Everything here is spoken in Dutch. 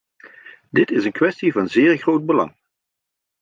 Dit is een kwestie van zeer groot belang.